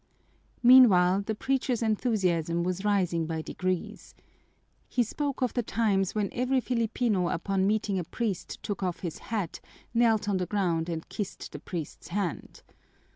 Meanwhile, the preacher's enthusiasm was rising by degrees. He spoke of the times when every Filipino upon meeting a priest took off his hat, knelt on the ground, and kissed the priest's hand.